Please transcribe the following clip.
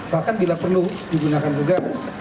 bahkan bila perlu digunakan juga